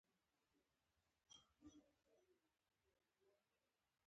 افغان کډوال له پاکستانه افغانستان ته ستانه شوي